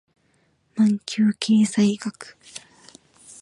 マンキュー経済学